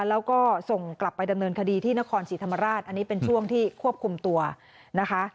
แล้วก็ส่งกลับไปดำเนินคดีที่นครศรีธรรมราชอันนี้เป็นช่วงที่ควบคุมตัวนะคะ